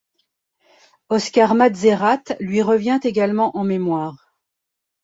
Oskar Matzerath lui revient également en mémoire.